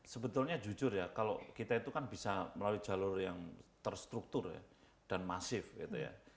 sebetulnya jujur ya kalau kita itu kan bisa melalui jalur yang terstruktur ya dan masif gitu ya